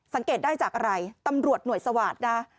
สังเกตได้จากอะไรตำรวจหน่วยสวาสตร์นะ